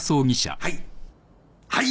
はい。